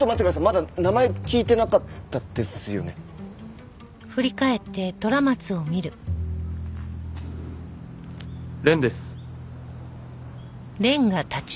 まだ名前聞いてなかったですよね？です。